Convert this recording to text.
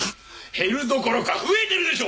減るどころか増えてるでしょ！